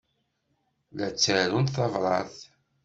La ttarunt tabṛat?